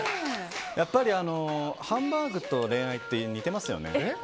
やっぱりハンバーグと恋愛って似てますよね。